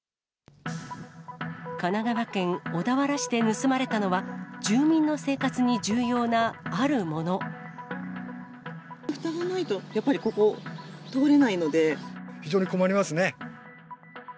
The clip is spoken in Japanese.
神奈川県小田原市で盗まれたのは、ふたがないとやっぱりここ、非常に困りますね。